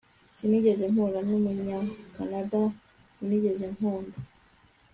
Sinigeze mpura numunyakanada Sinigeze nkunda